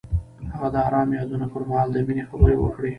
هغه د آرام یادونه پر مهال د مینې خبرې وکړې.